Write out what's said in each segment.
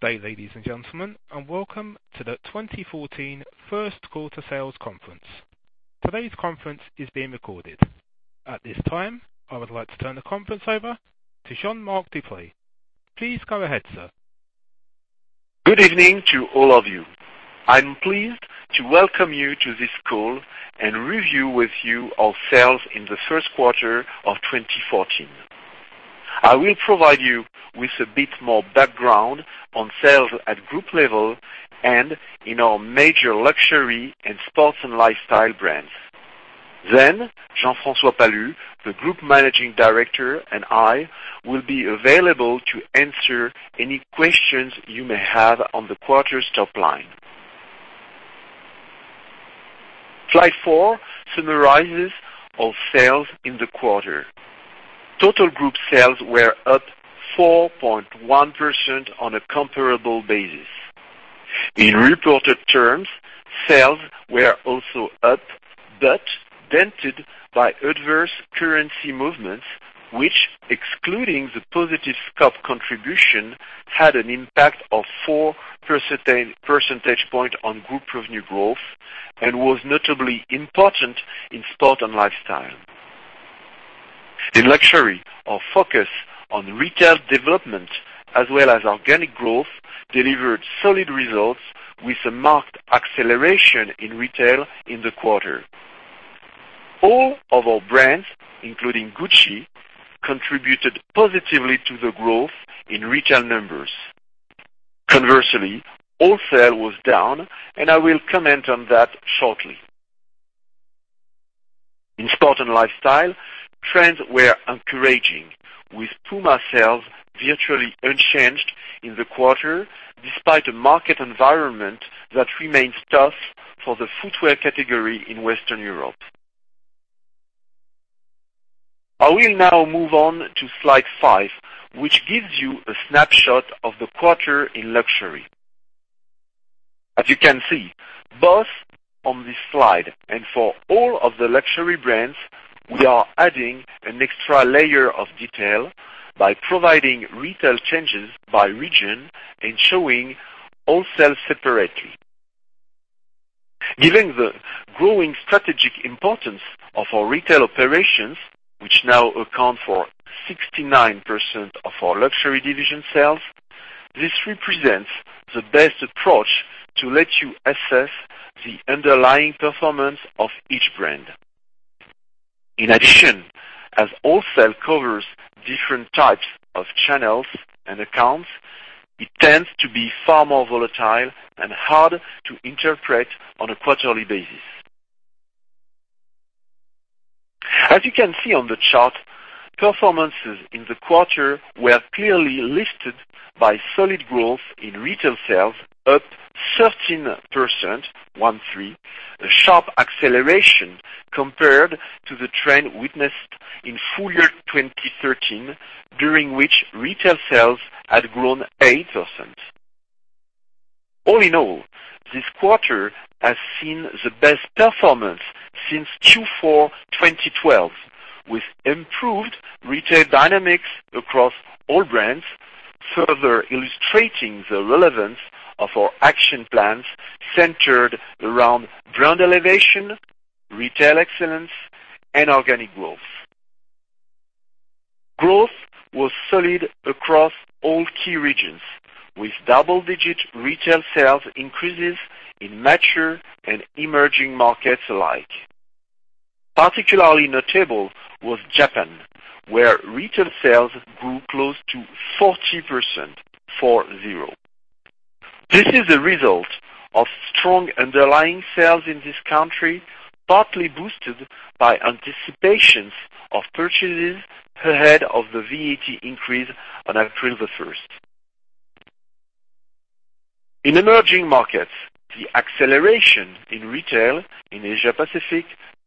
Good day, ladies and gentlemen, and welcome to the 2014 first quarter sales conference. Today's conference is being recorded. At this time, I would like to turn the conference over to Jean-Marc Duplaix. Please go ahead, sir. Good evening to all of you. I'm pleased to welcome you to this call and review with you our sales in the first quarter of 2014. I will provide you with a bit more background on sales at group level and in our major luxury and sports and lifestyle brands. Jean-François Palus, the Group Managing Director, and I will be available to answer any questions you may have on the quarter's top line. Slide four summarizes our sales in the quarter. Total group sales were up 4.1% on a comparable basis. In reported terms, sales were also up, dented by adverse currency movements, which, excluding the positive scope contribution, had an impact of four percentage points on group revenue growth and was notably important in sport and lifestyle. In luxury, our focus on retail development as well as organic growth delivered solid results with a marked acceleration in retail in the quarter. All of our brands, including Gucci, contributed positively to the growth in retail numbers. Conversely, wholesale was down, I will comment on that shortly. In sport and lifestyle, trends were encouraging, with Puma sales virtually unchanged in the quarter, despite a market environment that remains tough for the footwear category in Western Europe. I will now move on to slide five, which gives you a snapshot of the quarter in luxury. As you can see, both on this slide and for all of the luxury brands, we are adding an extra layer of detail by providing retail changes by region and showing wholesale separately. Given the growing strategic importance of our retail operations, which now account for 69% of our luxury division sales, this represents the best approach to let you assess the underlying performance of each brand. In addition, as wholesale covers different types of channels and accounts, it tends to be far more volatile and hard to interpret on a quarterly basis. As you can see on the chart, performances in the quarter were clearly lifted by solid growth in retail sales up 13%, a sharp acceleration compared to the trend witnessed in full year 2013, during which retail sales had grown 8%. This quarter has seen the best performance since Q4 2012, with improved retail dynamics across all brands, further illustrating the relevance of our action plans centered around brand elevation, retail excellence, and organic growth. Growth was solid across all key regions, with double-digit retail sales increases in mature and emerging markets alike. Particularly notable was Japan, where retail sales grew close to 40%. This is a result of strong underlying sales in this country, partly boosted by anticipations of purchases ahead of the VAT increase on April 1st. In emerging markets, the acceleration in retail in Asia-Pacific,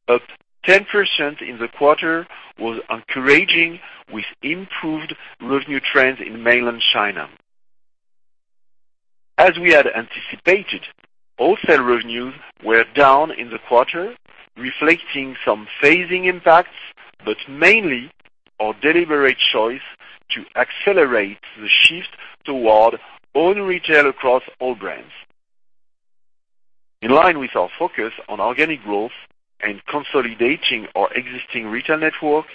up 10% in the quarter, was encouraging with improved revenue trends in mainland China. As we had anticipated, wholesale revenues were down in the quarter, reflecting some phasing impacts, but mainly our deliberate choice to accelerate the shift toward own retail across all brands. In line with our focus on organic growth and consolidating our existing retail network,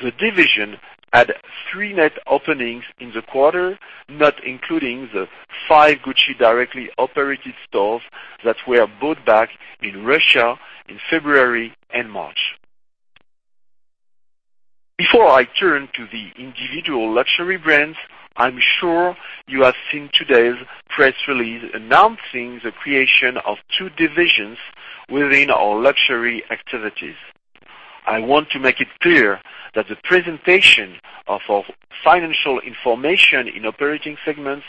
the division had three net openings in the quarter, not including the five Gucci directly operated stores that were bought back in Russia in February and March. Before I turn to the individual luxury brands, I am sure you have seen today's press release announcing the creation of two divisions within our luxury activities. I want to make it clear that the presentation of our financial information in operating segments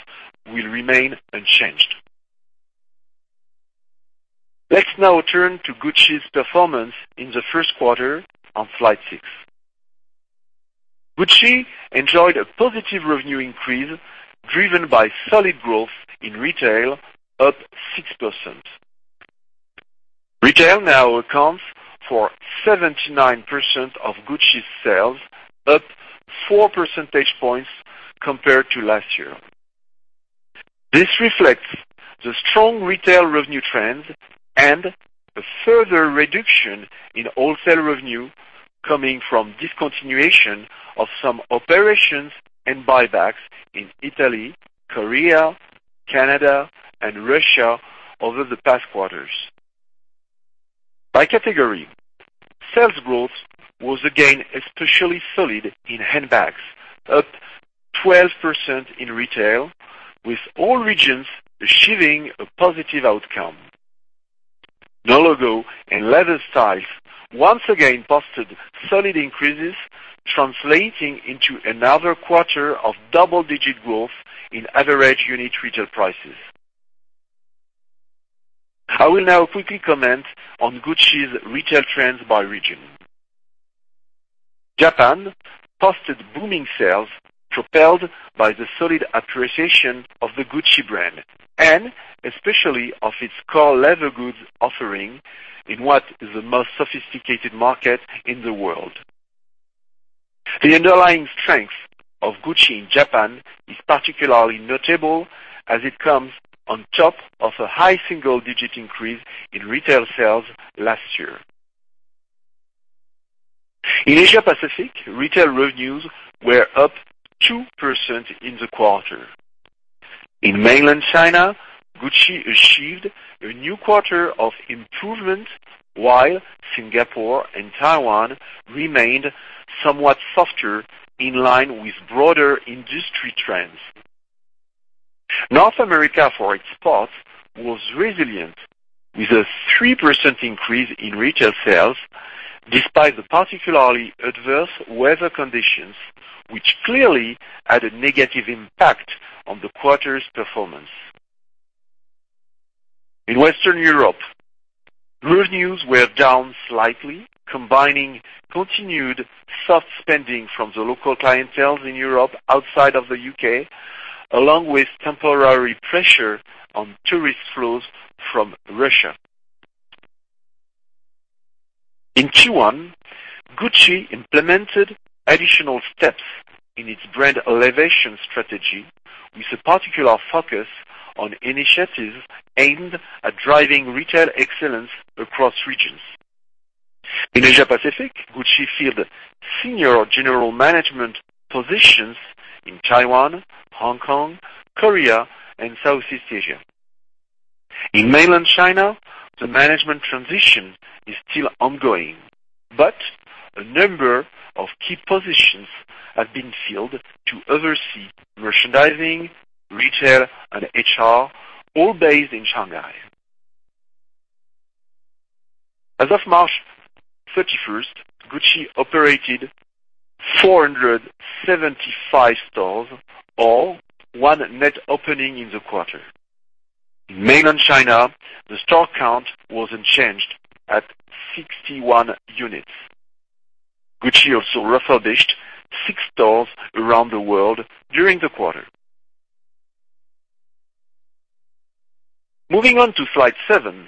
will remain unchanged. Let's now turn to Gucci's performance in the first quarter on slide six. Gucci enjoyed a positive revenue increase driven by solid growth in retail up 6%. Retail now accounts for 79% of Gucci's sales, up four percentage points compared to last year. This reflects the strong retail revenue trends and a further reduction in wholesale revenue coming from discontinuation of some operations and buybacks in Italy, Korea, Canada, and Russia over the past quarters. By category, sales growth was again especially solid in handbags, up 12% in retail, with all regions achieving a positive outcome. No logo and leather styles once again posted solid increases, translating into another quarter of double-digit growth in average unit retail prices. I will now quickly comment on Gucci's retail trends by region. Japan posted booming sales propelled by the solid appreciation of the Gucci brand and especially of its core leather goods offering in what is the most sophisticated market in the world. The underlying strength of Gucci in Japan is particularly notable as it comes on top of a high single-digit increase in retail sales last year. In Asia-Pacific, retail revenues were up 2% in the quarter. In mainland China, Gucci achieved a new quarter of improvement, while Singapore and Taiwan remained somewhat softer, in line with broader industry trends. North America, for its part, was resilient, with a 3% increase in retail sales despite the particularly adverse weather conditions, which clearly had a negative impact on the quarter's performance. In Western Europe, revenues were down slightly, combining continued soft spending from the local clienteles in Europe outside of the U.K., along with temporary pressure on tourist flows from Russia. In Q1, Gucci implemented additional steps in its brand elevation strategy, with a particular focus on initiatives aimed at driving retail excellence across regions. In Asia-Pacific, Gucci filled senior general management positions in Taiwan, Hong Kong, Korea, and Southeast Asia. In mainland China, the management transition is still ongoing, but a number of key positions have been filled to oversee merchandising, retail, and HR, all based in Shanghai. As of March 31st, Gucci operated 475 stores, all one net opening in the quarter. Mainland China, the store count was unchanged at 61 units. Gucci also refurbished six stores around the world during the quarter. Moving on to slide seven,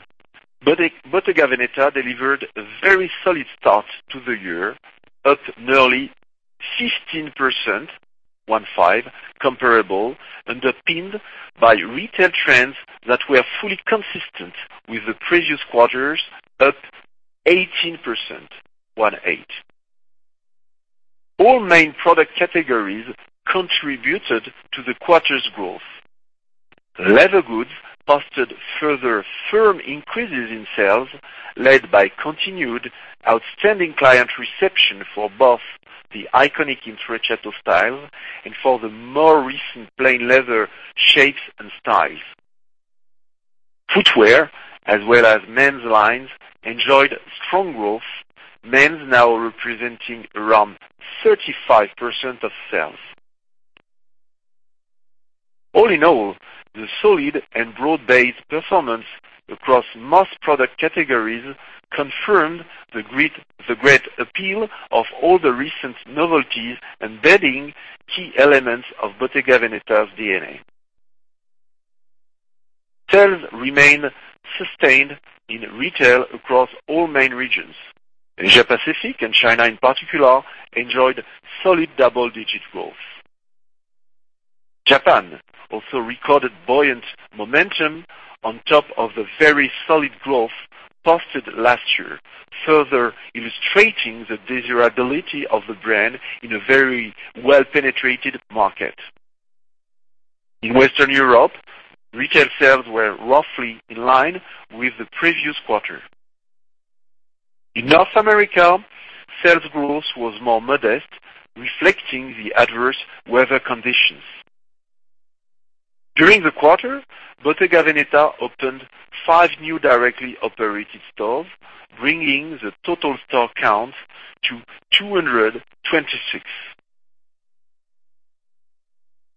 Bottega Veneta delivered a very solid start to the year, up nearly 15%, 15, comparable, underpinned by retail trends that were fully consistent with the previous quarters, up 18%, 18. All main product categories contributed to the quarter's growth. Leather goods posted further firm increases in sales, led by continued outstanding client reception for both the iconic Intrecciato style and for the more recent plain leather shapes and styles. Footwear, as well as men's lines, enjoyed strong growth, men's now representing around 35% of sales. All in all, the solid and broad-based performance across most product categories confirmed the great appeal of all the recent novelties embedding key elements of Bottega Veneta's DNA. Sales remain sustained in retail across all main regions. Asia Pacific and China, in particular, enjoyed solid double-digit growth. Japan also recorded buoyant momentum on top of the very solid growth posted last year, further illustrating the desirability of the brand in a very well-penetrated market. In Western Europe, retail sales were roughly in line with the previous quarter. In North America, sales growth was more modest, reflecting the adverse weather conditions. During the quarter, Bottega Veneta opened five new directly operated stores, bringing the total store count to 226.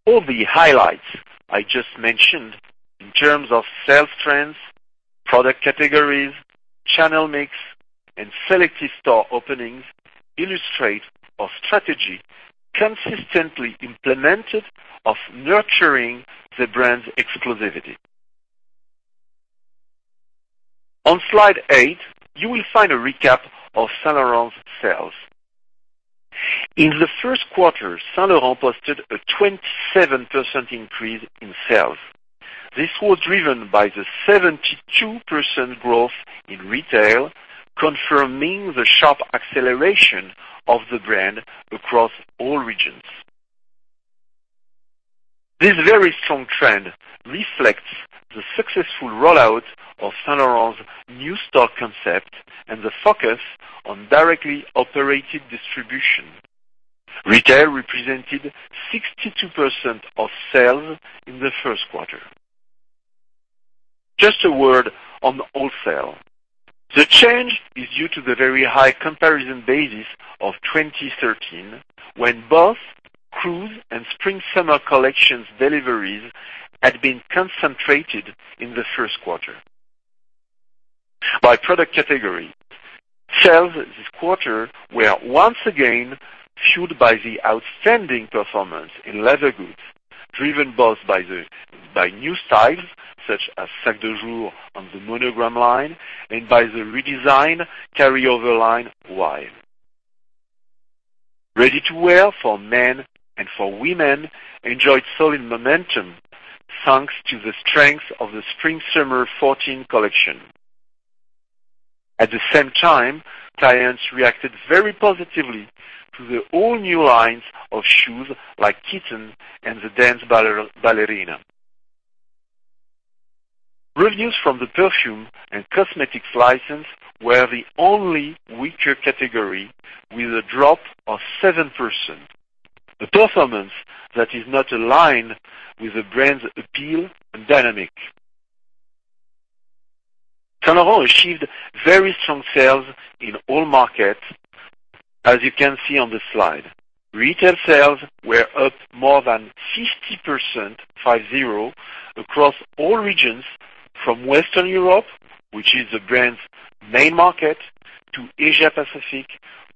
All the highlights I just mentioned in terms of sales trends, product categories, channel mix and selective store openings illustrate our strategy consistently implemented of nurturing the brand's exclusivity. On slide eight, you will find a recap of Saint Laurent's sales. In the first quarter, Saint Laurent posted a 27% increase in sales. This was driven by the 72% growth in retail, confirming the sharp acceleration of the brand across all regions. This very strong trend reflects the successful rollout of Saint Laurent's new store concept and the focus on directly operated distribution. Retail represented 62% of sales in the first quarter. Just a word on wholesale. The change is due to the very high comparison basis of 2013, when both Cruise and Spring/Summer collections deliveries had been concentrated in the first quarter. By product category, sales this quarter were once again fueled by the outstanding performance in leather goods, driven both by new styles such as Sac de Jour on the Monogram line and by the redesigned carryover line, WIDE. Ready-to-wear for men and for women enjoyed solid momentum, thanks to the strength of the Spring/Summer 2014 collection. At the same time, clients reacted very positively to the all-new lines of shoes like Kitten and the Dance Ballerina. Revenues from the perfume and cosmetics license were the only weaker category, with a drop of 7%, a performance that is not aligned with the brand's appeal and dynamic. Saint Laurent achieved very strong sales in all markets, as you can see on the slide. Retail sales were up more than 50%, five, zero, across all regions from Western Europe, which is the brand's main market, to Asia Pacific,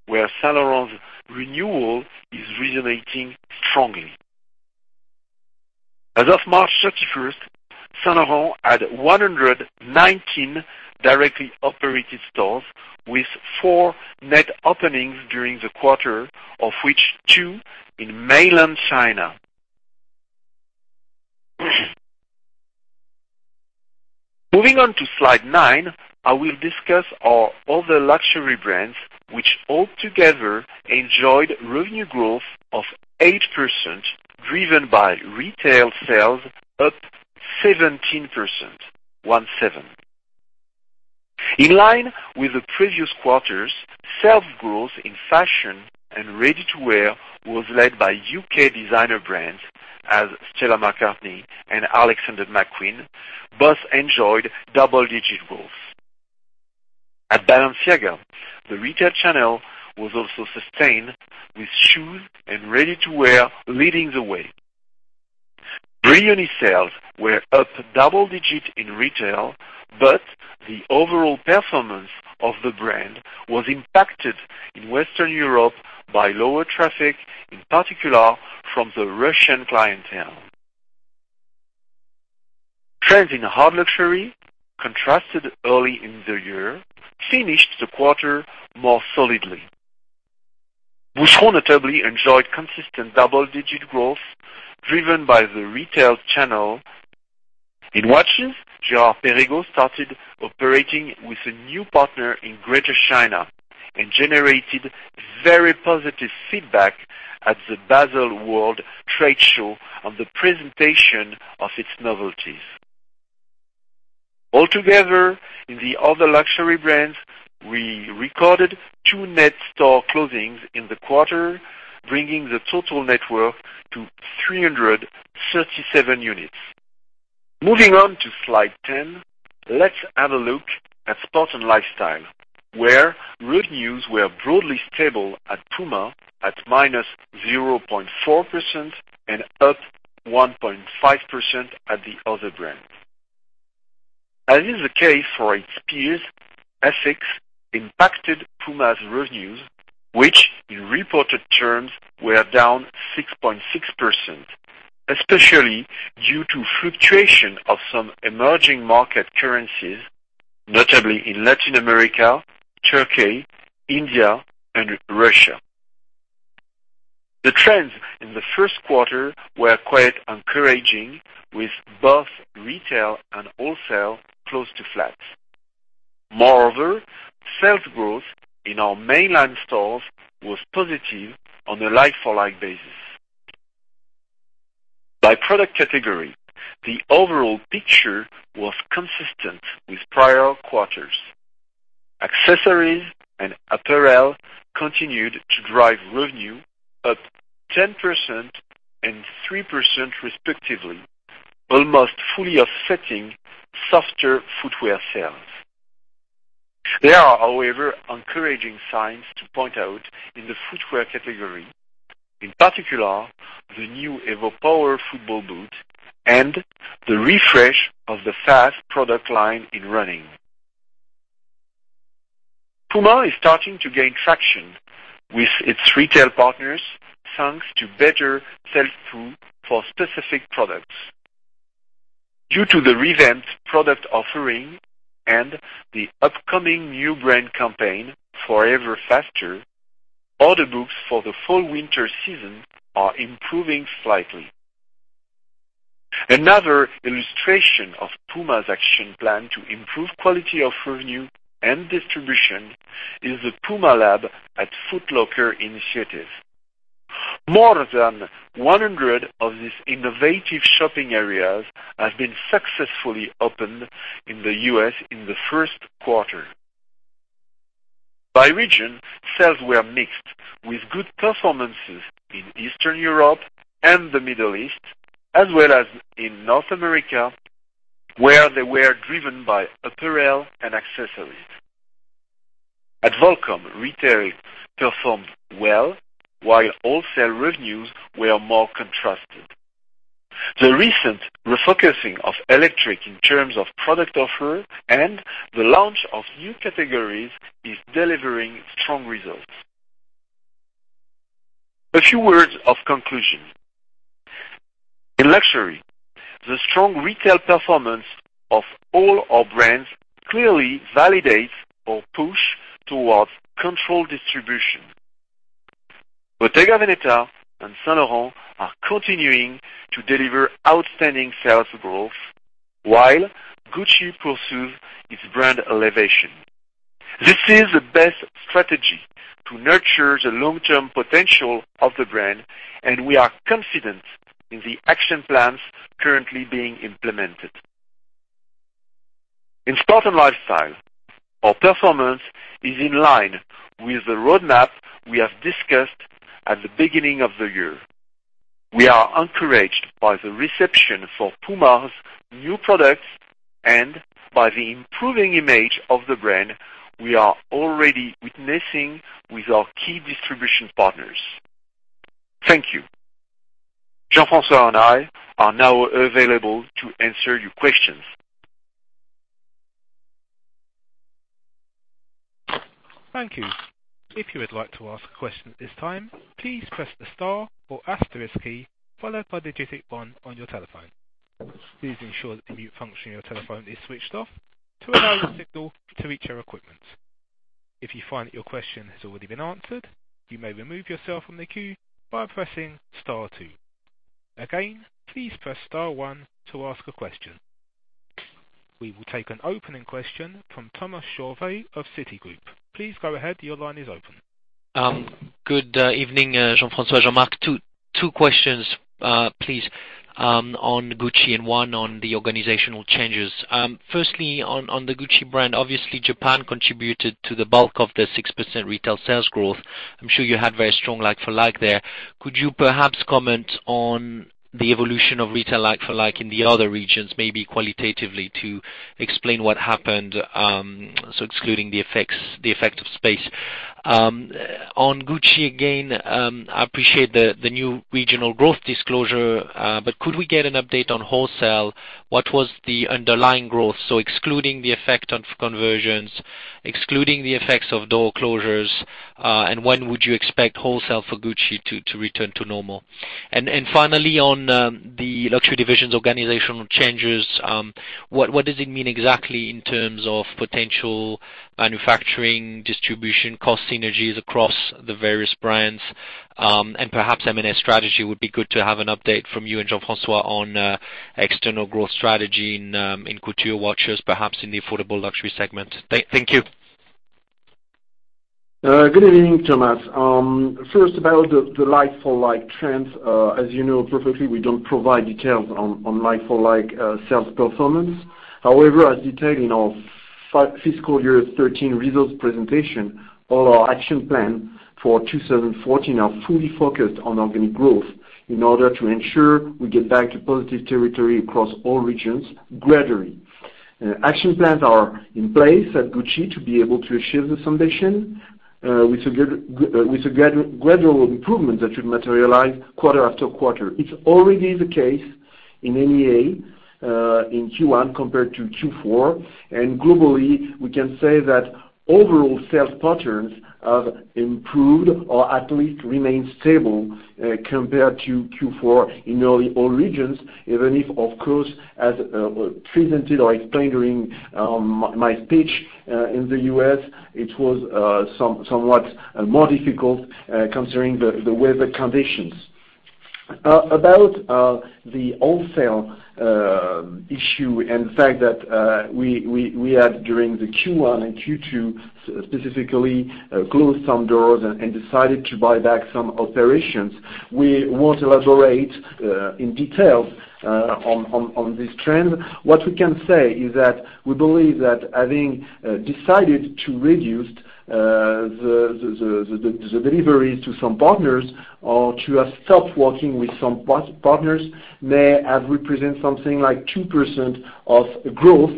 where Saint Laurent's renewal is resonating strongly. As of March 31st, Saint Laurent had 119 directly operated stores, with four net openings during the quarter, of which two in mainland China. Moving on to slide nine, I will discuss our other Luxury brands, which altogether enjoyed revenue growth of 8%, driven by retail sales up 17%, one, seven. In line with the previous quarters, sales growth in fashion and ready-to-wear was led by U.K. designer brands as Stella McCartney and Alexander McQueen both enjoyed double-digit growth. At Balenciaga, the retail channel was also sustained, with shoes and ready-to-wear leading the way. Brioni sales were up double digits in retail, but the overall performance of the brand was impacted in Western Europe by lower traffic, in particular from the Russian clientele. Trends in hard luxury, contrasted early in the year, finished the quarter more solidly. Boucheron notably enjoyed consistent double-digit growth driven by the retail channel. In watches, Girard-Perregaux started operating with a new partner in Greater China and generated very positive feedback at the Baselworld trade show on the presentation of its novelties. Altogether, in the other Luxury brands, we recorded two net store closings in the quarter, bringing the total net worth to 337 units. Moving on to slide 10, let's have a look at Sports & Lifestyle, where revenues were broadly stable at Puma at -0.4% and up 1.5% at the other brands. As is the case for its peers, FX impacted Puma's revenues, which, in reported terms, were down 6.6%, especially due to fluctuation of some emerging market currencies, notably in Latin America, Turkey, India, and Russia. The trends in the first quarter were quite encouraging, with both retail and wholesale close to flat. Moreover, sales growth in our mainline stores was positive on a like-for-like basis. By product category, the overall picture was consistent with prior quarters. Accessories and apparel continued to drive revenue up 10% and 3% respectively, almost fully offsetting softer footwear sales. There are, however, encouraging signs to point out in the footwear category. In particular, the new evoPOWER football boot and the refresh of the Faas product line in running. Puma is starting to gain traction with its retail partners, thanks to better sell-through for specific products. Due to the revamped product offering and the upcoming new brand campaign, Forever Faster, order books for the fall/winter season are improving slightly. Another illustration of Puma's action plan to improve quality of revenue and distribution is the Puma Lab at Foot Locker initiative. More than 100 of these innovative shopping areas have been successfully opened in the U.S. in the first quarter. By region, sales were mixed with good performances in Eastern Europe and the Middle East, as well as in North America, where they were driven by apparel and accessories. At Volcom, retail performed well while wholesale revenues were more contrasted. The recent refocusing of Electric in terms of product offer and the launch of new categories is delivering strong results. A few words of conclusion. In luxury, the strong retail performance of all our brands clearly validates our push towards controlled distribution. Bottega Veneta and Saint Laurent are continuing to deliver outstanding sales growth while Gucci pursues its brand elevation. This is the best strategy to nurture the long-term potential of the brand, and we are confident in the action plans currently being implemented. In sport and lifestyle, our performance is in line with the roadmap we have discussed at the beginning of the year. We are encouraged by the reception for Puma's new products and by the improving image of the brand we are already witnessing with our key distribution partners. Thank you. Jean-François and I are now available to answer your questions. Thank you. If you would like to ask a question at this time, please press the star or asterisk key followed by the digit one on your telephone. Please ensure the mute function on your telephone is switched off to allow the signal to reach our equipment. If you find that your question has already been answered, you may remove yourself from the queue by pressing star two. Again, please press star one to ask a question. We will take an opening question from Thomas Chauvet of Citigroup. Please go ahead. Your line is open. Good evening, Jean-François, Jean-Marc. Two questions, please, on Gucci and one on the organizational changes. Firstly, on the Gucci brand, obviously, Japan contributed to the bulk of the 6% retail sales growth. I'm sure you had very strong like-for-like there. Could you perhaps comment on the evolution of retail like-for-like in the other regions, maybe qualitatively to explain what happened? Excluding the effect of space. On Gucci again, I appreciate the new regional growth disclosure, but could we get an update on wholesale? What was the underlying growth? Excluding the effect on conversions, excluding the effects of door closures, and when would you expect wholesale for Gucci to return to normal? Finally, on the luxury division's organizational changes, what does it mean exactly in terms of potential manufacturing, distribution, cost synergies across the various brands? Perhaps M&A strategy, would be good to have an update from you and Jean-François on external growth strategy in couture watches, perhaps in the affordable luxury segment. Thank you. Good evening, Thomas. First, about the like-for-like trends. As you know perfectly, we don't provide details on like-for-like sales performance. However, as detailed in our fiscal year 2013 results presentation, all our action plan for 2014 are fully focused on organic growth in order to ensure we get back to positive territory across all regions gradually. Action plans are in place at Gucci to be able to achieve this foundation with a gradual improvement that should materialize quarter after quarter. It's already the case in MEA in Q1 compared to Q4. Globally, we can say that overall sales patterns have improved or at least remained stable compared to Q4 in all regions, even if, of course, as presented or explained during my speech, in the U.S., it was somewhat more difficult considering the weather conditions. About the wholesale issue and the fact that we had, during the Q1 and Q2, specifically closed some doors and decided to buy back some operations. We won't elaborate in detail on this trend. What we can say is that we believe that having decided to reduce the deliveries to some partners or to have stopped working with some partners may have represented something like 2% of growth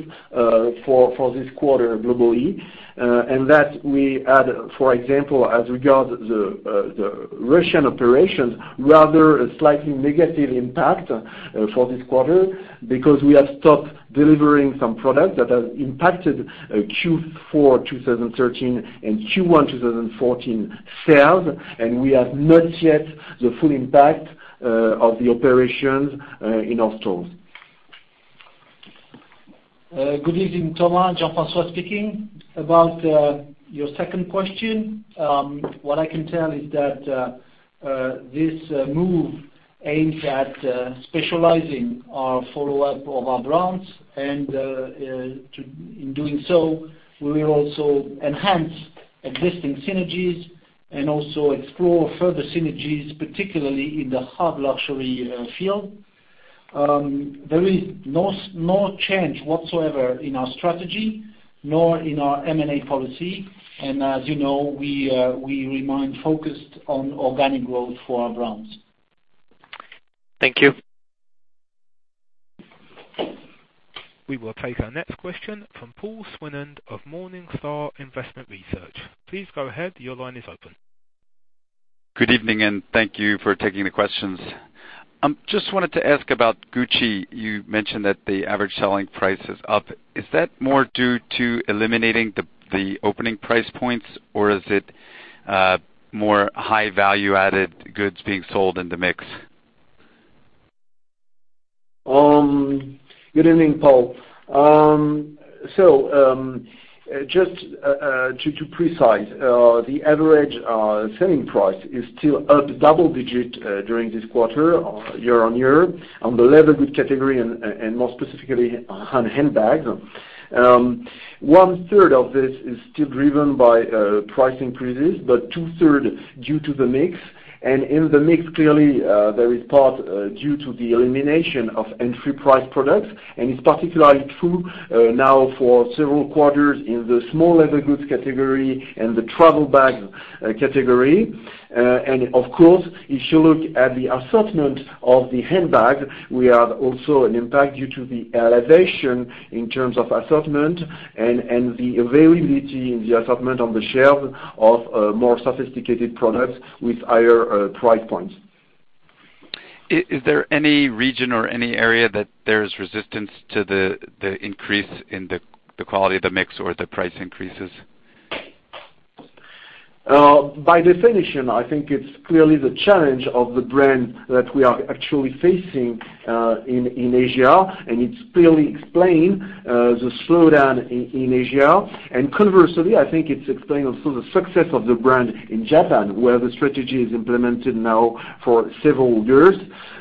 for this quarter globally. That we had, for example, as regard the Russian operations, rather a slightly negative impact for this quarter because we have stopped delivering some product that has impacted Q4 2013 and Q1 2014 sales, and we have not yet the full impact of the operations in our stores. Good evening, Thomas. Jean-François speaking. About your second question, what I can tell is that this move aims at specializing our follow-up of our brands. In doing so, we will also enhance existing synergies and also explore further synergies, particularly in the hard luxury field. There is no change whatsoever in our strategy, nor in our M&A policy. As you know, we remain focused on organic growth for our brands. Thank you. We will take our next question from Paul Swinand of Morningstar Investment Research. Please go ahead. Your line is open. Good evening. Thank you for taking the questions. Just wanted to ask about Gucci. You mentioned that the average selling price is up. Is that more due to eliminating the opening price points, or is it more high value-added goods being sold in the mix? Good evening, Paul. Just to precise, the average selling price is still up double digit during this quarter year-on-year on the leather goods category and more specifically on handbags. One third of this is still driven by price increases, but two third due to the mix. In the mix, clearly, there is part due to the elimination of entry price products, and it's particularly true now for several quarters in the small leather goods category and the travel bag category. Of course, if you look at the assortment of the handbag, we have also an impact due to the elevation in terms of assortment and the availability in the assortment on the shelves of more sophisticated products with higher price points. Is there any region or any area that there's resistance to the increase in the quality of the mix or the price increases? By definition, I think it's clearly the challenge of the brand that we are actually facing in Asia, and it clearly explains the slowdown in Asia. Conversely, I think it explains also the success of the brand in Japan, where the strategy is implemented now for several years.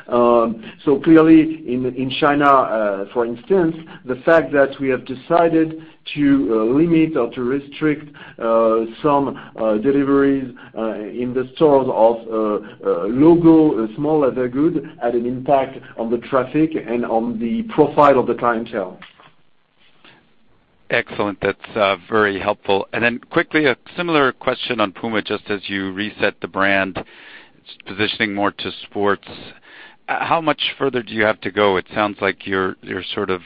Clearly in China, for instance, the fact that we have decided to limit or to restrict some deliveries in the stores of logo small leather goods had an impact on the traffic and on the profile of the clientele. Excellent. That's very helpful. Then quickly, a similar question on Puma, just as you reset the brand, positioning more to sports. How much further do you have to go? It sounds like you're sort of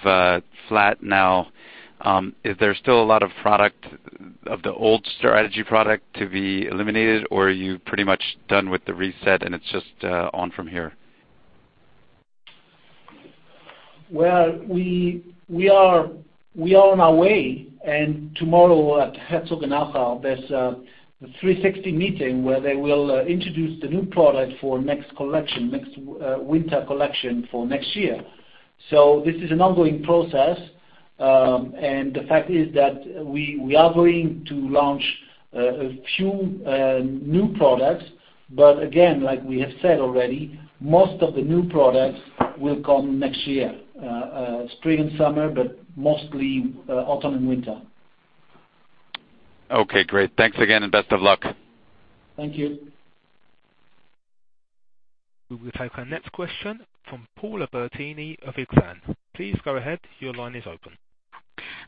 flat now. Is there still a lot of product, of the old strategy product to be eliminated, or are you pretty much done with the reset and it's just on from here? Well, we are on our way, and tomorrow at Herzogenaurach, there's a 360 meeting where they will introduce the new product for next collection, next winter collection for next year. This is an ongoing process, and the fact is that we are going to launch a few new products. Again, like we have said already, most of the new products will come next year. Spring and summer, but mostly autumn and winter. Okay, great. Thanks again, and best of luck. Thank you. We will take our next question from Paula Bertini of Exane. Please go ahead. Your line is open.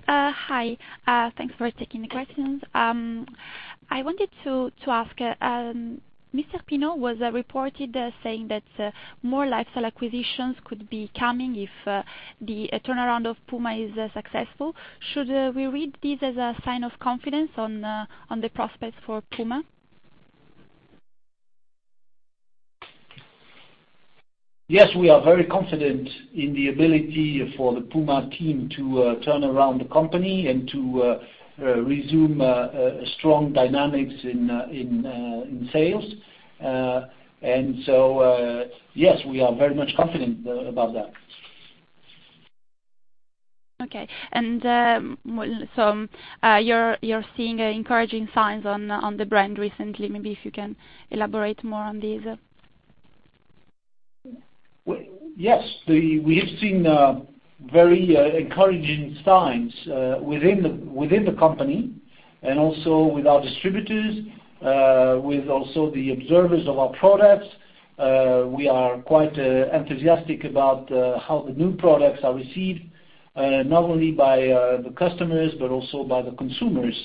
Hi. Thanks for taking the questions. I wanted to ask, Mr. Pinault was reported saying that more lifestyle acquisitions could be coming if the turnaround of Puma is successful. Should we read this as a sign of confidence on the prospects for Puma? Yes, we are very confident in the ability for the Puma team to turn around the company and to resume strong dynamics in sales. Yes, we are very much confident about that. Okay. You're seeing encouraging signs on the brand recently. Maybe if you can elaborate more on this. Yes. We have seen very encouraging signs within the company and also with our distributors, with also the observers of our products. We are quite enthusiastic about how the new products are received, not only by the customers but also by the consumers.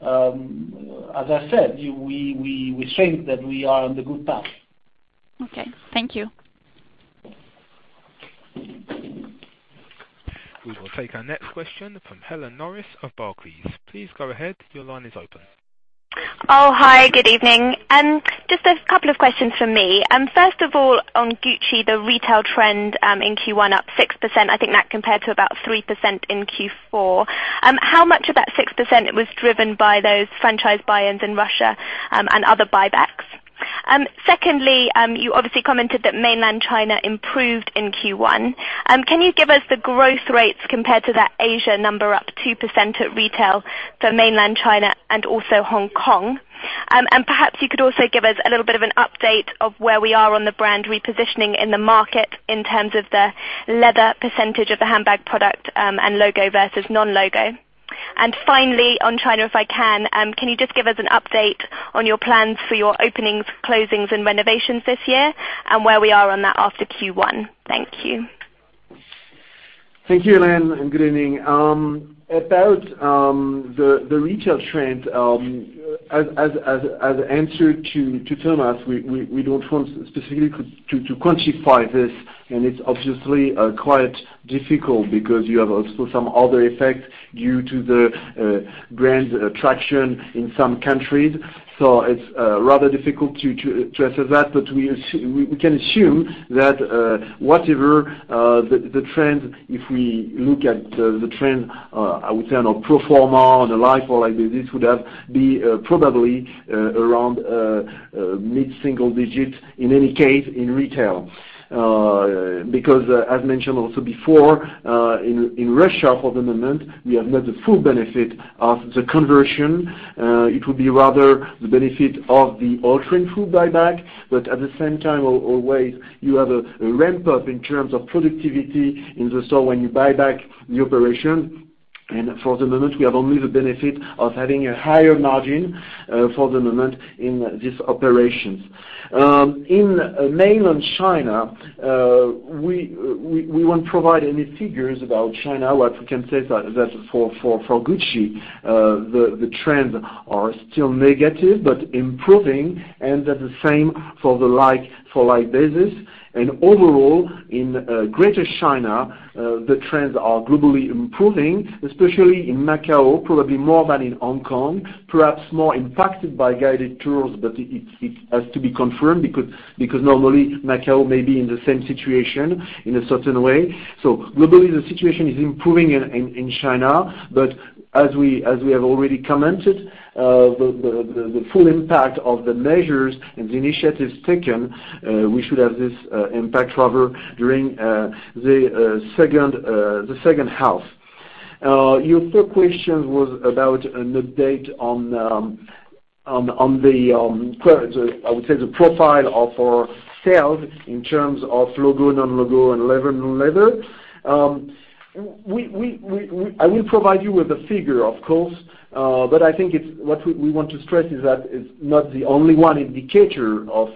As I said, we think that we are on the good path. Okay. Thank you. We will take our next question from Carole Madjo of Barclays. Please go ahead. Your line is open. Hi. Good evening. Just a couple of questions from me. First of all, on Gucci, the retail trend in Q1 up 6%, I think that compared to about 3% in Q4. How much of that 6% was driven by those franchise buy-ins in Russia and other buybacks? Secondly, you obviously commented that mainland China improved in Q1. Can you give us the growth rates compared to that Asia number up 2% at retail for mainland China and also Hong Kong? Perhaps you could also give us a little bit of an update of where we are on the brand repositioning in the market in terms of the leather percentage of the handbag product and logo versus non-logo. Finally, on China, if I can you just give us an update on your plans for your openings, closings, and renovations this year and where we are on that after Q1? Thank you. Thank you, Hélène, and good evening. About the retail trend, as answer to Thomas, we don't want specifically to quantify this, and it's obviously quite difficult because you have also some other effects due to the brand attraction in some countries. It's rather difficult to answer that, but we can assume that whatever the trend, if we look at the trend, I would say on a pro forma, on a like-for-like basis, would have been probably around mid-single digits, in any case, in retail. As mentioned also before, in Russia for the moment, we have not the full benefit of the conversion. It would be rather the benefit of the ultra and full buyback, but at the same time, always you have a ramp-up in terms of productivity in the store when you buy back the operation. For the moment, we have only the benefit of having a higher margin for the moment in these operations. In mainland China, we won't provide any figures about China. What we can say is that for Gucci, the trends are still negative but improving, and the same for the like-for-like basis. Overall, in Greater China, the trends are globally improving, especially in Macau, probably more than in Hong Kong, perhaps more impacted by guided tours, but it has to be confirmed because normally Macau may be in the same situation in a certain way. Globally, the situation is improving in China. As we have already commented, the full impact of the measures and the initiatives taken, we should have this impact rather during the second half. Your third question was about an update on the, I would say, the profile of our sales in terms of logo, non-logo, and leather, non-leather. I will provide you with the figure, of course, but I think what we want to stress is that it's not the only one indicator of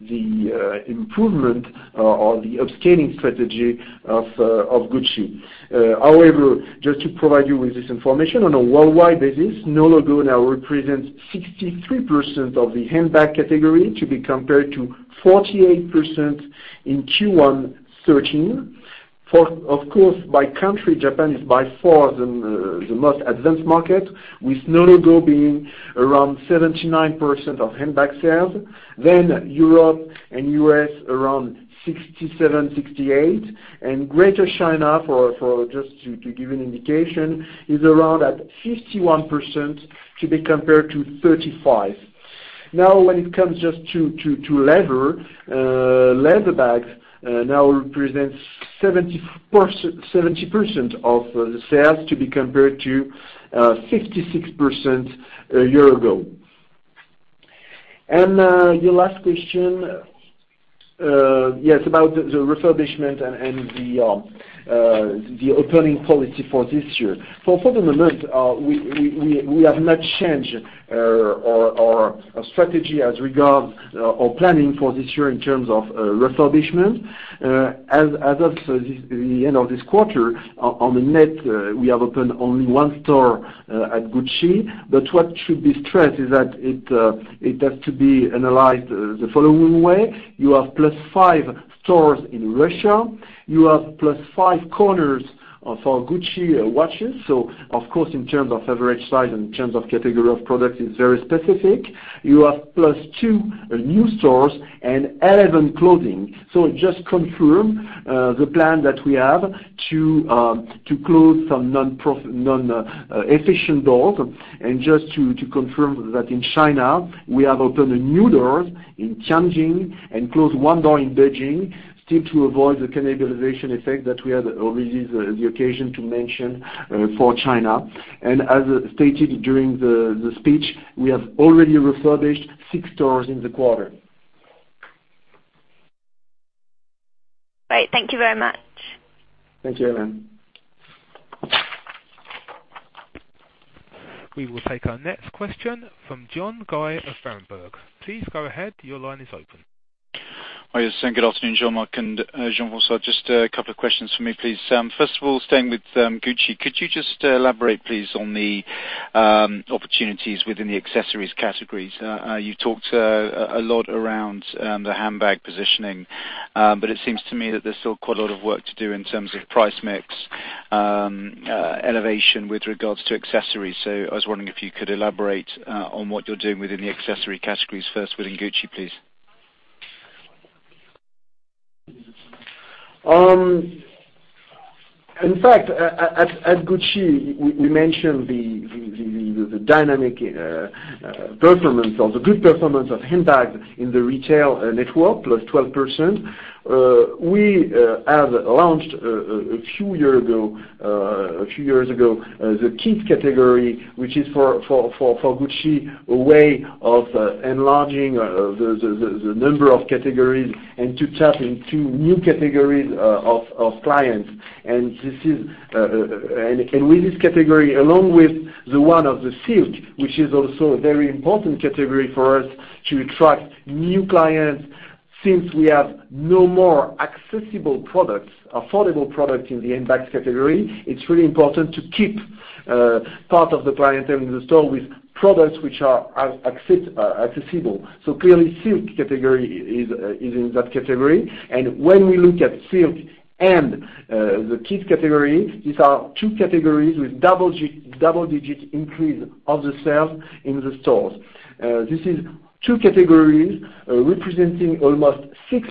the improvement or the upscaling strategy of Gucci. However, just to provide you with this information, on a worldwide basis, no logo now represents 63% of the handbag category, to be compared to 48% in Q1 2013. By country, Japan is by far the most advanced market, with no logo being around 79% of handbag sales. Europe and U.S., around 67%-68%. Greater China, just to give an indication, is around at 51%, to be compared to 35%. When it comes just to leather bags now represent 70% of the sales, to be compared to 56% a year ago. Your last question, yes, about the refurbishment and the opening policy for this year. For the moment, we have not changed our strategy as regards our planning for this year in terms of refurbishment. As of the end of this quarter, on the net, we have opened only one store at Gucci. What should be stressed is that it has to be analyzed the following way. You have plus five stores in Russia. You have plus five corners of our Gucci watches. Of course, in terms of average size, in terms of category of product, it's very specific. You have plus two new stores and 11 closing. It just confirms the plan that we have to close some non-efficient doors. Just to confirm that in China, we have opened a new door in Tianjin and closed one door in Beijing, still to avoid the cannibalization effect that we had already the occasion to mention for China. As stated during the speech, we have already refurbished six stores in the quarter. Great. Thank you very much. Thank you, Hélène. We will take our next question from Jonathan Guy of Berenberg. Please go ahead. Your line is open. Hi. Just saying good afternoon, Jean-Marc and Jean-François. Just a couple of questions for me, please. First of all, staying with Gucci, could you just elaborate, please, on the opportunities within the accessories categories? You've talked a lot around the handbag positioning, but it seems to me that there's still quite a lot of work to do in terms of price mix, elevation with regards to accessories. I was wondering if you could elaborate on what you're doing within the accessory categories first within Gucci, please. In fact, at Gucci, we mentioned the dynamic performance or the good performance of handbags in the retail network, plus 12%. We have launched, a few years ago, the kids category, which is for Gucci, a way of enlarging the number of categories and to tap into new categories of clients. With this category, along with the one of the silk, which is also a very important category for us to attract new clients, since we have no more accessible products, affordable products in the handbags category, it's really important to keep part of the clientele in the store with products which are accessible. Clearly, silk category is in that category. When we look at silk and the kids category, these are two categories with double-digit increase of the sales in the stores. This is two categories representing almost 6%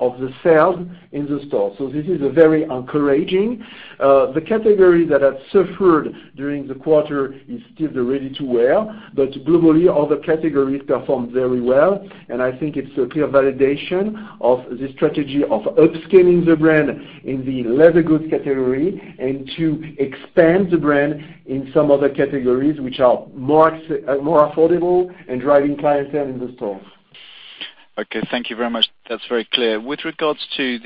of the sales in the store. This is very encouraging. The category that has suffered during the quarter is still the ready-to-wear, but globally, other categories performed very well. I think it's a clear validation of the strategy of upscaling the brand in the leather goods category and to expand the brand in some other categories which are more affordable and driving clientele in the stores. Okay, thank you very much. That's very clear. With regards to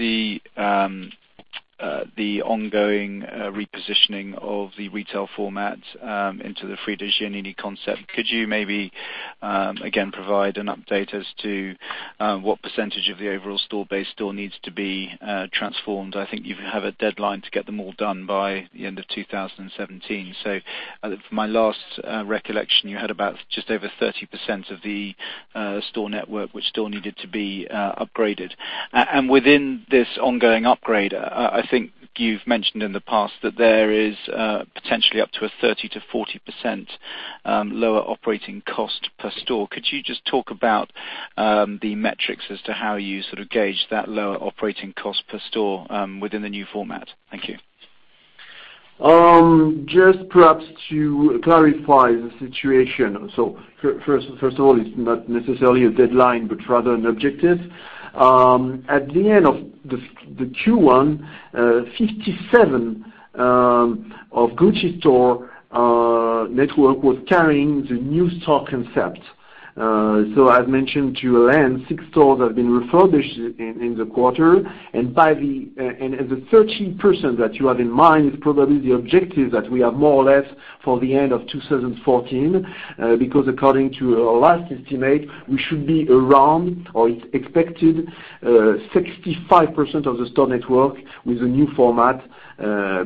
the ongoing repositioning of the retail format into the Frida Giannini concept, could you maybe, again, provide an update as to what percentage of the overall store base still needs to be transformed? I think you have a deadline to get them all done by the end of 2017. From my last recollection, you had about just over 30% of the store network which still needed to be upgraded. Within this ongoing upgrade, I think you've mentioned in the past that there is potentially up to a 30%-40% lower operating cost per store. Could you just talk about the metrics as to how you sort of gauge that lower operating cost per store within the new format? Thank you. Just perhaps to clarify the situation. First of all, it's not necessarily a deadline, but rather an objective. At the end of the Q1, 57 of Gucci store network was carrying the new store concept. As mentioned to you, six stores have been refurbished in the quarter, and the 30% that you have in mind is probably the objective that we have more or less for the end of 2014. According to our last estimate, we should be around, or it's expected 65% of the store network with the new format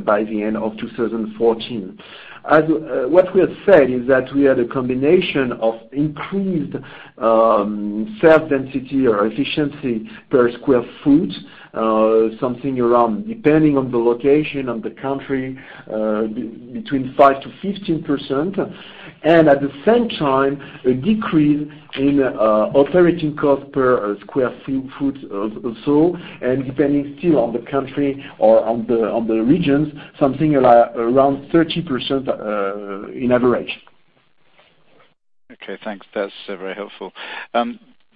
by the end of 2014. What we have said is that we had a combination of increased sales density or efficiency per square foot, something around, depending on the location, on the country, between 5%-15%. At the same time, a decrease in operating cost per square foot also, depending still on the country or on the regions, something around 30% in average. Okay, thanks. That's very helpful.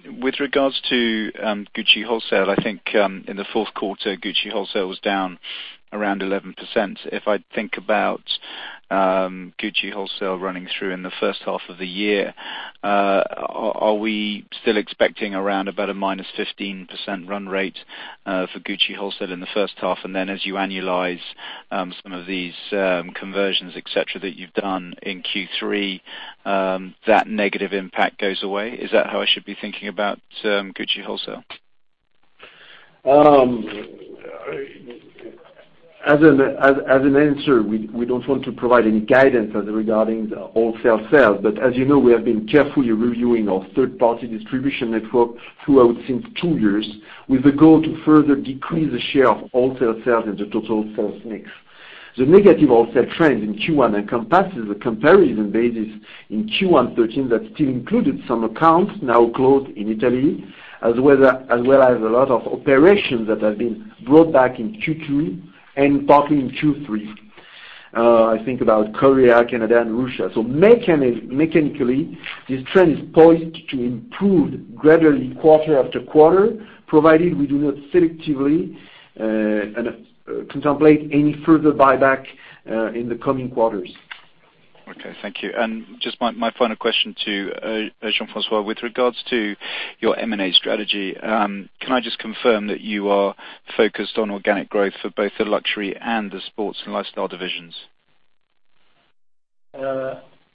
With regards to Gucci wholesale, I think in the fourth quarter, Gucci wholesale was down around 11%. If I think about Gucci wholesale running through in the first half of the year, are we still expecting around about a minus 15% run rate for Gucci wholesale in the first half, and then as you annualize some of these conversions, et cetera, that you've done in Q3, that negative impact goes away? Is that how I should be thinking about Gucci wholesale? As an answer, we do not want to provide any guidance as regarding the wholesale sales. As you know, we have been carefully reviewing our third-party distribution network throughout since two years, with the goal to further decrease the share of wholesale sales in the total sales mix. The negative offset trend in Q1 encompasses a comparison basis in Q1 2013 that still included some accounts now closed in Italy, as well as a lot of operations that have been brought back in Q2 and partly in Q3. I think about Korea, Canada and Russia. Mechanically, this trend is poised to improve gradually quarter after quarter, provided we do not selectively contemplate any further buyback in the coming quarters. Okay, thank you. Just my final question to Jean-François. With regards to your M&A strategy, can I just confirm that you are focused on organic growth for both the luxury and the sports and lifestyle divisions?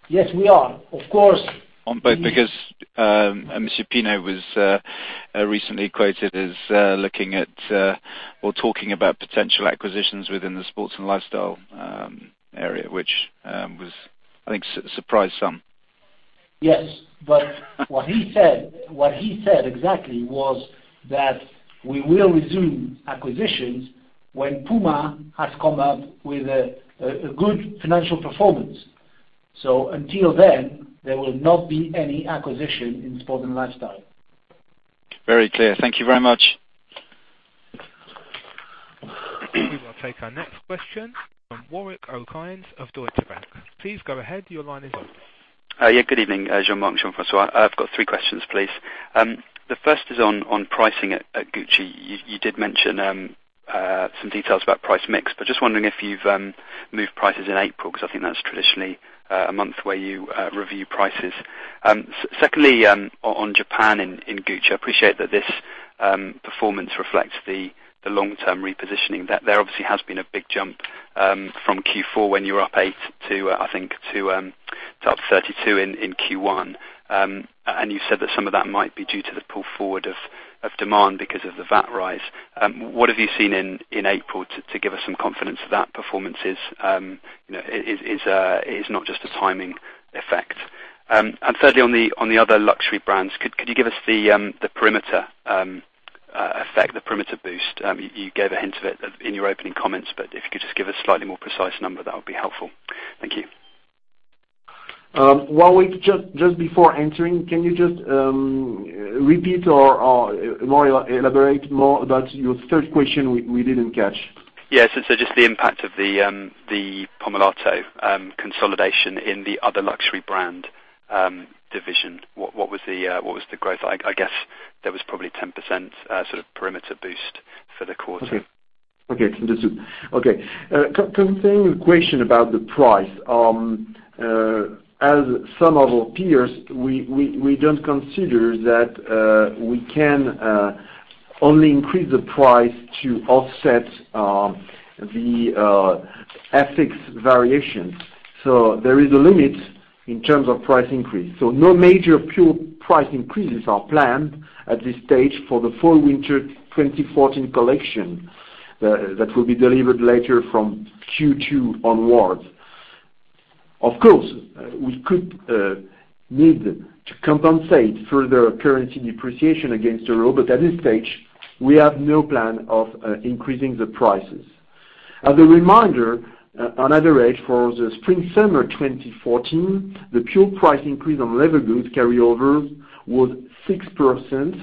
Yes, we are. Of course. On both, because François-Henri Pinault was recently quoted as looking at or talking about potential acquisitions within the sports and lifestyle area, which, I think, surprised some. Yes. What he said exactly was that we will resume acquisitions when Puma has come up with a good financial performance. Until then, there will not be any acquisition in sport and lifestyle. Very clear. Thank you very much. We will take our next question from Warwick Okines of Deutsche Bank. Please go ahead. Your line is open. Yeah. Good evening, Jean-Marc, Jean-François. I've got three questions, please. The first is on pricing at Gucci. You did mention some details about price mix, but just wondering if you've moved prices in April, because I think that's traditionally a month where you review prices. Secondly, on Japan in Gucci, I appreciate that this performance reflects the long-term repositioning. There obviously has been a big jump from Q4 when you were up eight to, I think, to up 32 in Q1. You said that some of that might be due to the pull forward of demand because of the VAT rise. What have you seen in April to give us some confidence that performance is not just a timing effect? Thirdly, on the other luxury brands, could you give us the perimeter effect, the perimeter boost? You gave a hint of it in your opening comments, if you could just give a slightly more precise number, that would be helpful. Thank you. Warwick, just before answering, can you just repeat or elaborate more about your third question? We didn't catch. Yes. Just the impact of the Pomellato consolidation in the other luxury brand division. What was the growth like? I guess there was probably 10% sort of perimeter boost for the quarter. Concerning your question about the price. As some of our peers, we don't consider that we can only increase the price to offset the FX variations. There is a limit in terms of price increase. No major pure price increases are planned at this stage for the fall/winter 2014 collection that will be delivered later from Q2 onwards. Of course, we could need to compensate further currency depreciation against the euro, but at this stage, we have no plan of increasing the prices. As a reminder, on average, for the spring/summer 2014, the pure price increase on leather goods carryovers was 6%,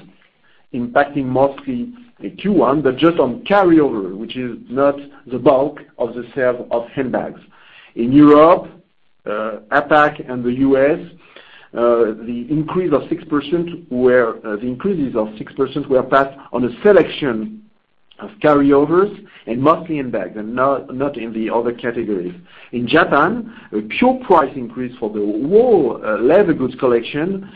impacting mostly in Q1, but just on carryover, which is not the bulk of the sale of handbags. In Europe, APAC, and the U.S., the increases of 6% were passed on a selection of carryovers and mostly in bags and not in the other categories. In Japan, a pure price increase for the whole leather goods collection,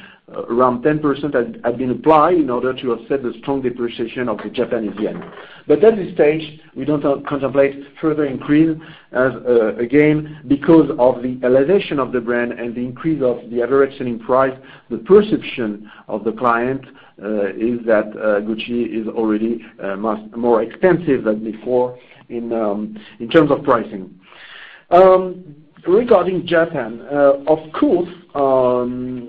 around 10%, had been applied in order to offset the strong depreciation of the Japanese yen. At this stage, we don't contemplate further increase, again, because of the elevation of the brand and the increase of the average selling price. The perception of the client is that Gucci is already much more expensive than before in terms of pricing. Regarding Japan, of course, the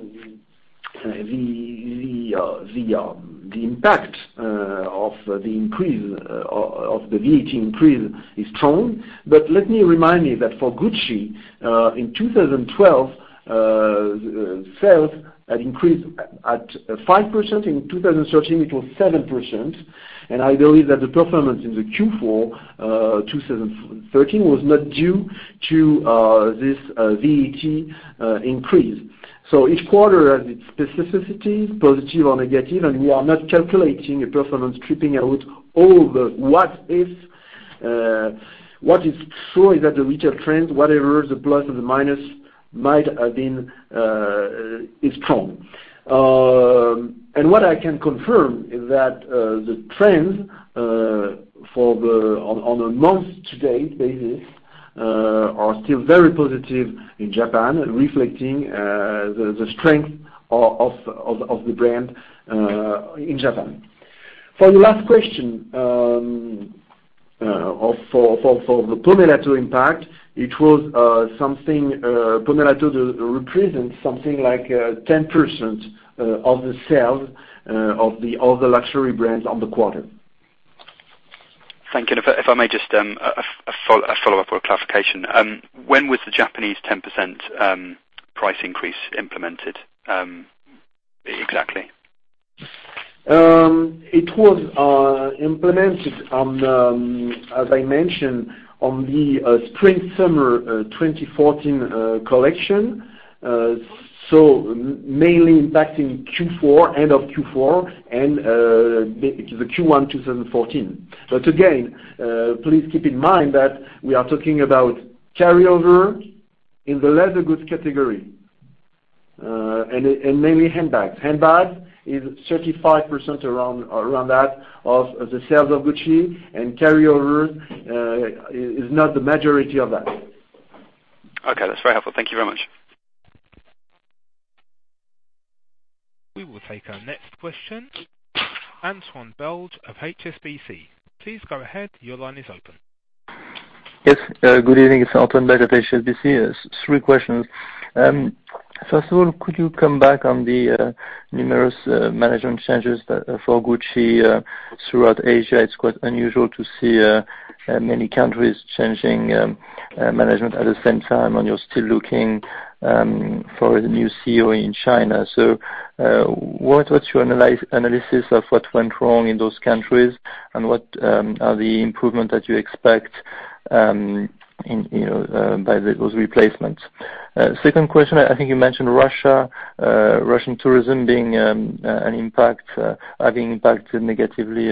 impact of the VAT increase is strong, but let me remind you that for Gucci, in 2012, sales had increased at 5%. In 2013, it was 7%, and I believe that the performance in the Q4 2013 was not due to this VAT increase. Each quarter has its specificities, positive or negative, and we are not calculating a performance, stripping out all the what if. What is true is that the retail trends, whatever the plus or the minus might have been, is strong. What I can confirm is that the trends on a month to date basis are still very positive in Japan, reflecting the strength of the brand in Japan. For your last question, for the Pomellato impact, Pomellato represents something like 10% of the sales of the other luxury brands on the quarter. Thank you. If I may just, a follow-up or a clarification. When was the Japanese 10% price increase implemented exactly? It was implemented, as I mentioned, on the spring/summer 2014 collection, mainly impacting end of Q4 and the Q1 2014. Again, please keep in mind that we are talking about carryover in the leather goods category, and mainly handbags. Handbags is 35% around that of the sales of Gucci, carryover is not the majority of that. Okay, that's very helpful. Thank you very much. We will take our next question. Antoine Belge of HSBC. Please go ahead. Your line is open. Yes. Good evening. It's Antoine Belge at HSBC. Three questions. First of all, could you come back on the numerous management changes for Gucci throughout Asia? It's quite unusual to see many countries changing management at the same time, you're still looking for the new CEO in China. What's your analysis of what went wrong in those countries, what are the improvements that you expect by those replacements? Second question, I think you mentioned Russian tourism having impacted negatively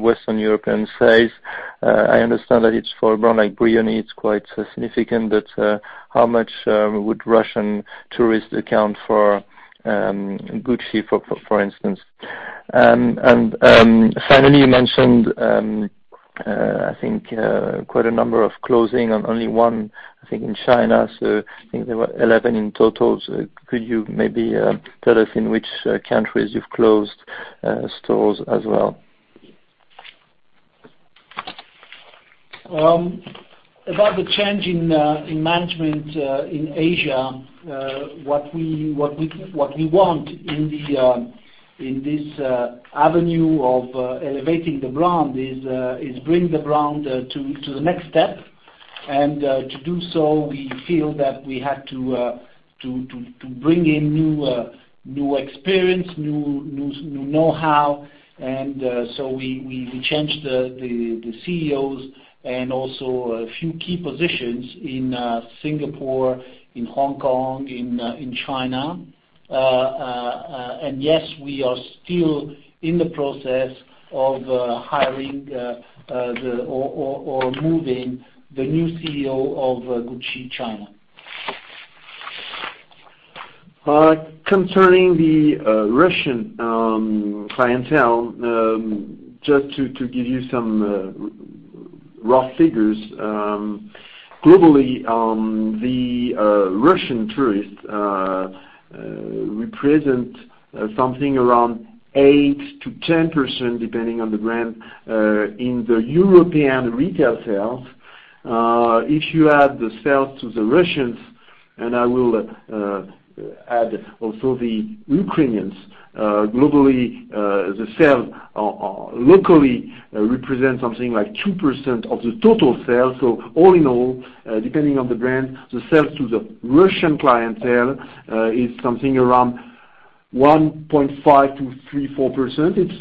Western European sales. I understand that for a brand like Brioni, it's quite significant, how much would Russian tourists account for Gucci, for instance? Finally, you mentioned, I think, quite a number of closing and only one, I think, in China, I think there were 11 in total. Could you maybe tell us in which countries you've closed stores as well? About the change in management in Asia, what we want in this avenue of elevating the brand is bring the brand to the next step. To do so, we feel that we had to bring in new experience, new know-how. We changed the CEOs and also a few key positions in Singapore, in Hong Kong, in China. Yes, we are still in the process of hiring or moving the new CEO of Gucci China. Concerning the Russian clientele, just to give you some raw figures. Globally, the Russian tourists represent something around 8%-10%, depending on the brand, in the European retail sales. If you add the sales to the Russians, and I will add also the Ukrainians, globally, the sales locally represent something like 2% of the total sales. All in all, depending on the brand, the sales to the Russian clientele is something around 1.5%-3%, 4%. It's,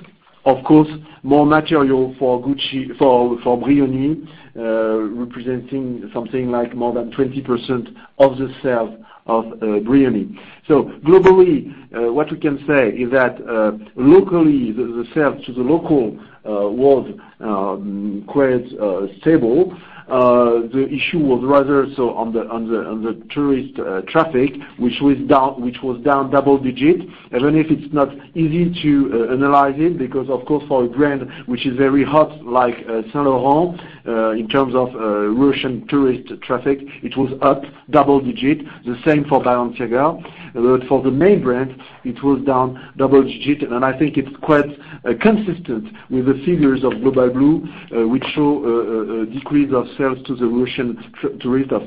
of course, more material for Brioni, representing something like more than 20% of the sales of Brioni. Globally, what we can say is that locally, the sales to the local world, quite stable. The issue was rather so on the tourist traffic, which was down double digit, even if it's not easy to analyze it, because, of course, for a brand which is very hot, like Saint Laurent, in terms of Russian tourist traffic, it was up double digit. The same for Balenciaga. For the main brand, it was down double digit. I think it's quite consistent with the figures of Global Blue, which show a decrease of sales to the Russian tourist of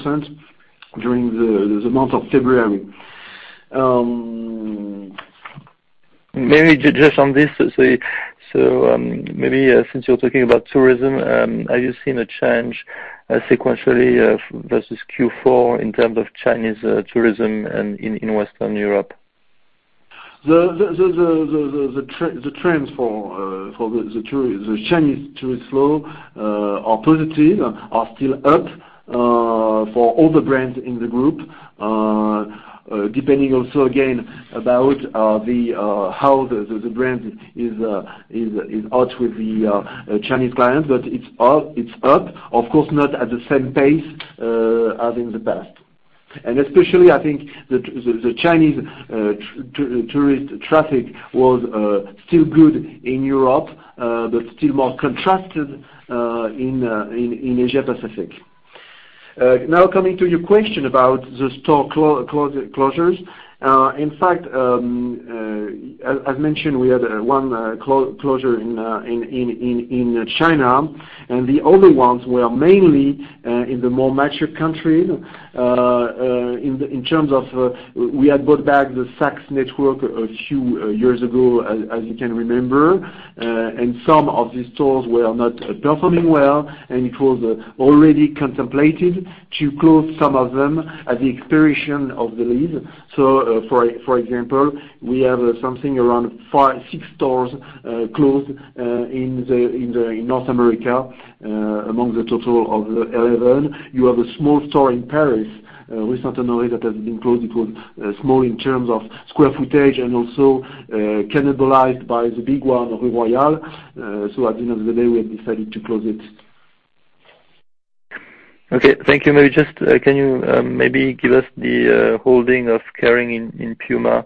17% during the month of February. Maybe just on this, maybe since you're talking about tourism, have you seen a change sequentially versus Q4 in terms of Chinese tourism in Western Europe? The trends for the Chinese tourist flow are positive, are still up for all the brands in the group. Depending also, again, about how the brand is out with the Chinese clients, but it's up. Of course, not at the same pace as in the past. Especially, I think the Chinese tourist traffic was still good in Europe, but still more contrasted in Asia Pacific. Now, coming to your question about the store closures. In fact, as mentioned, we had one closure in China, and the other ones were mainly in the more mature countries. In terms of, we had bought back the Saks network a few years ago, as you can remember. Some of these stores were not performing well, and it was already contemplated to close some of them at the expiration of the lease. For example, we have something around six stores closed in North America, among the total of 11. You have a small store in Paris, recent anomaly that has been closed. It was small in terms of square footage and also cannibalized by the big one, Rue Royale. At the end of the day, we have decided to close it. Okay. Thank you. Maybe just can you maybe give us the holding of Kering in Puma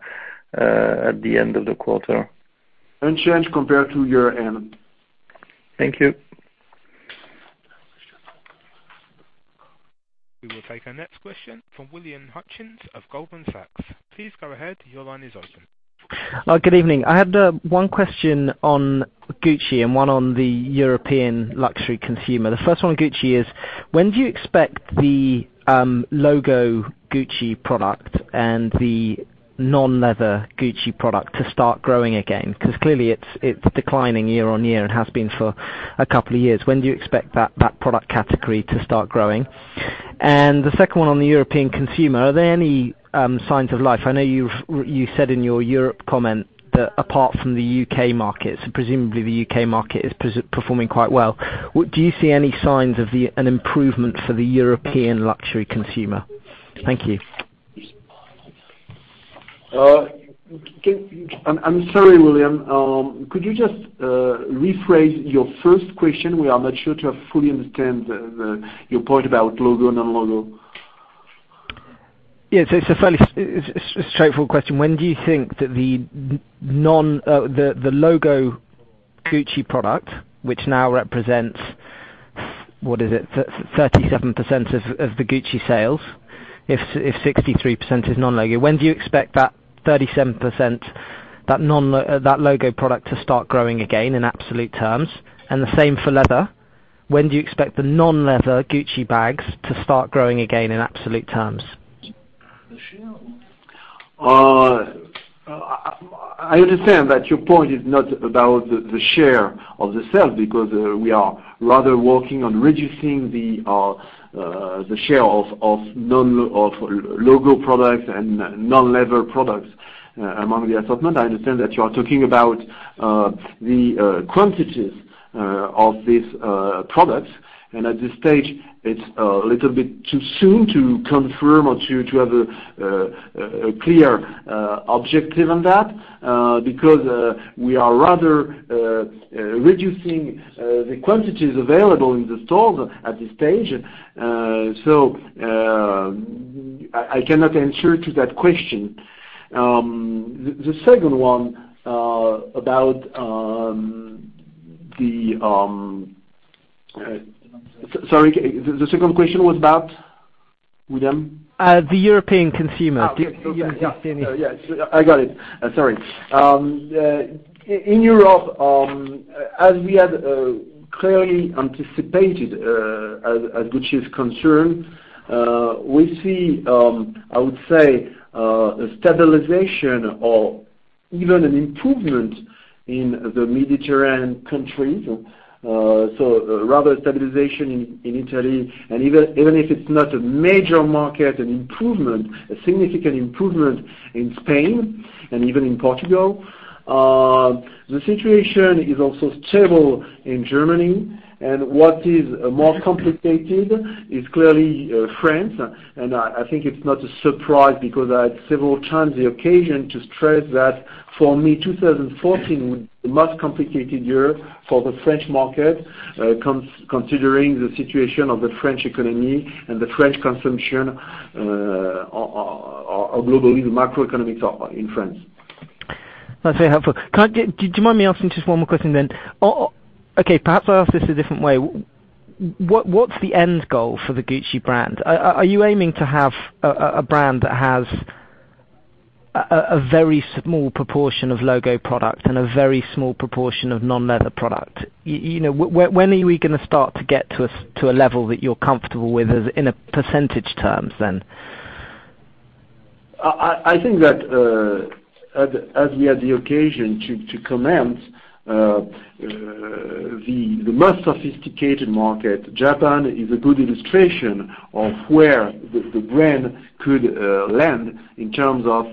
at the end of the quarter? Unchanged compared to year-end. Thank you. We will take our next question from William Hutchings of Goldman Sachs. Please go ahead. Your line is open. Good evening. I had one question on Gucci and one on the European luxury consumer. The first one on Gucci is, when do you expect the logo Gucci product and the non-leather Gucci product to start growing again? Because clearly it's declining year-over-year and has been for a couple of years. When do you expect that product category to start growing? The second one on the European consumer, are there any signs of life? I know you said in your Europe comment that apart from the U.K. markets, presumably the U.K. market is performing quite well. Do you see any signs of an improvement for the European luxury consumer? Thank you. I'm sorry, William, could you just rephrase your first question? We are not sure to have fully understand your point about logo, non-logo. Yes, it's a fairly straightforward question. When do you think that the logo Gucci product, which now represents, what is it, 37% of the Gucci sales? If 63% is non-logo, when do you expect that 37%, that logo product to start growing again in absolute terms? The same for leather. When do you expect the non-leather Gucci bags to start growing again in absolute terms? I understand that your point is not about the share of the sales, because we are rather working on reducing the share of logo products and non-leather products among the assortment. I understand that you are talking about the quantities of these products, and at this stage, it's a little bit too soon to confirm or to have a clear objective on that, because we are rather reducing the quantities available in the stores at this stage. I cannot answer to that question. The second question was about, William? The European consumer. Yes, I got it. Sorry. In Europe, as we had clearly anticipated, as Gucci is concerned, we see, I would say, a stabilization or even an improvement in the Mediterranean countries. Rather stabilization in Italy, and even if it's not a major market, an improvement, a significant improvement in Spain and even in Portugal. The situation is also stable in Germany, and what is more complicated is clearly France. I think it's not a surprise because I had several times the occasion to stress that for me, 2014 was the most complicated year for the French market, considering the situation of the French economy and the French consumption, or globally, the macroeconomics in France. That's very helpful. Do you mind me asking just one more question then? Okay, perhaps I'll ask this a different way. What's the end goal for the Gucci brand? Are you aiming to have a brand that has a very small proportion of logo product and a very small proportion of non-leather product? When are we going to start to get to a level that you're comfortable with in a percentage terms then? I think that, as we had the occasion to commence, the most sophisticated market, Japan, is a good illustration of where the brand could land in terms of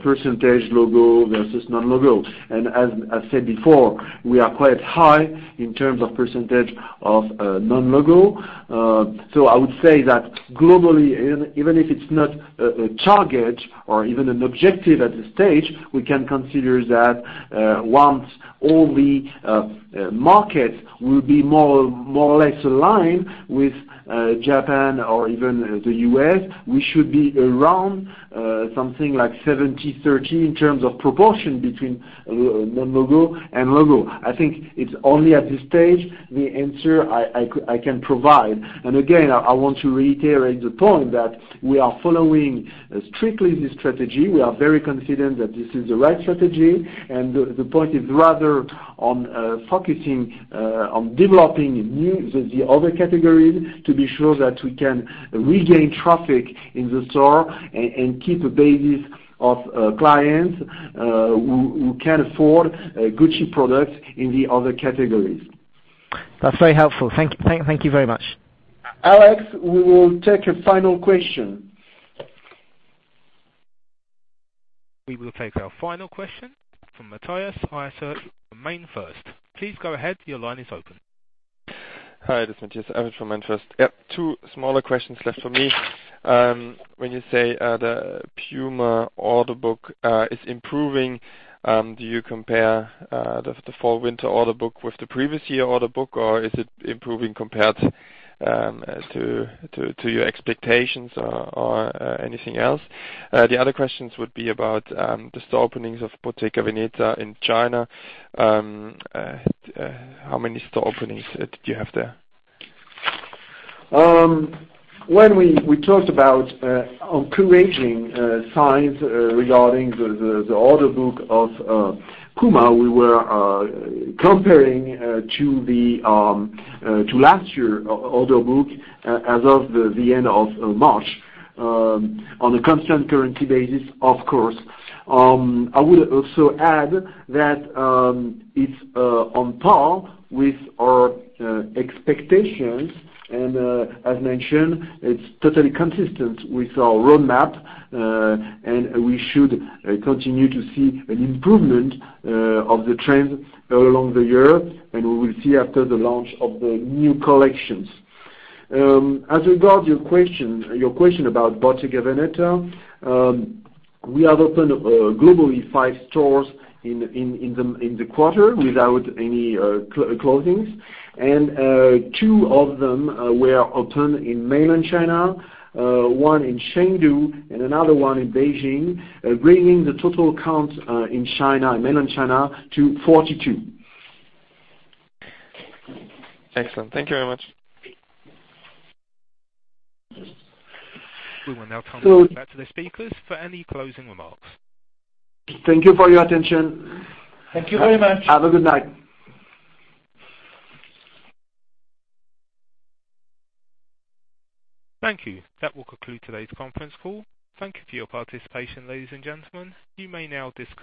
percentage logo versus non-logo. As I said before, we are quite high in terms of percentage of non-logo. I would say that globally, even if it's not a target or even an objective at this stage, we can consider that once all the markets will be more or less aligned with Japan or even the U.S., we should be around something like 70/30 in terms of proportion between non-logo and logo. I think it's only at this stage the answer I can provide. Again, I want to reiterate the point that we are following strictly the strategy. We are very confident that this is the right strategy, and the point is rather on focusing on developing the other categories to be sure that we can regain traffic in the store and keep a basis of clients who can afford Gucci products in the other categories. That's very helpful. Thank you very much. Alex, we will take a final question. We will take our final question from Matthias Eiser, from MainFirst. Please go ahead. Your line is open. Hi, this is Matthias Eiser from MainFirst. Yep, two smaller questions left from me. When you say the Puma order book is improving, do you compare the fall-winter order book with the previous year order book, or is it improving compared to your expectations or anything else? The other questions would be about the store openings of Bottega Veneta in China. How many store openings did you have there? When we talked about encouraging signs regarding the order book of Puma, we were comparing to last year order book as of the end of March, on a constant currency basis, of course. I would also add that it's on par with our expectations, and as mentioned, it's totally consistent with our roadmap, and we should continue to see an improvement of the trend along the year, and we will see after the launch of the new collections. As regard your question about Bottega Veneta, we have opened globally five stores in the quarter without any closings, and two of them were opened in mainland China, one in Chengdu and another one in Beijing, bringing the total count in China, mainland China, to 42. Excellent. Thank you very much. We will now turn it back to the speakers for any closing remarks. Thank you for your attention. Thank you very much. Have a good night. Thank you. That will conclude today's conference call. Thank you for your participation, ladies and gentlemen. You may now disconnect.